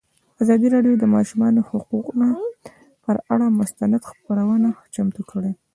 ازادي راډیو د د ماشومانو حقونه پر اړه مستند خپرونه چمتو کړې.